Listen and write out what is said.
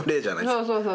そうそうそう。